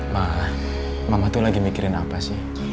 mama tuh lagi mikirin apa sih